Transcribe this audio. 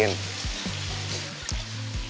nggak usah dipikirin